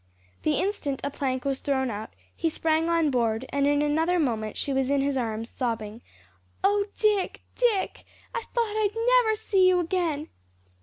The instant a plank was thrown out, he sprang on board, and in another moment she was in his arms, sobbing, "Oh, Dick, Dick. I thought I'd never see you again!"